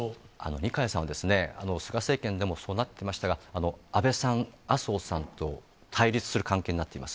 二階さんは、菅政権でもそうなってましたが、安倍さん、麻生さんと対立する関係になっています。